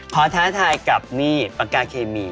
ท้าทายกับนี่ปากกาเคมี